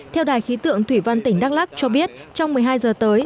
theo đài khí tượng thủy văn tỉnh đắk lắc cho biết trong một mươi hai giờ tới